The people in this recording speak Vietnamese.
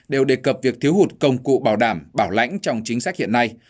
đều đề cập việc thiếu hụt công cụ bảo đảm bảo lãnh trong chính sách hiện nay